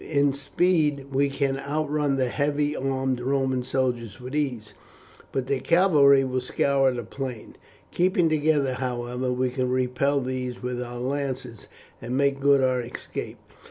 In speed we can outrun the heavy armed Roman soldiers with ease, but their cavalry will scour the plain. Keeping together, however, we can repel these with our lances, and make good our escape.